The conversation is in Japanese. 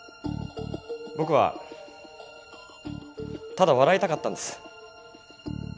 僕はただ笑いたかったんです。